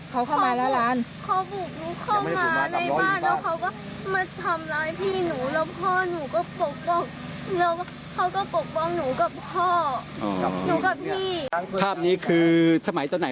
เหตุการณ์เล่าให้ลุงฟังเขาเข้ามาแล้วร้าน